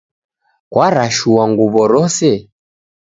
Kwarashua nguwo rose?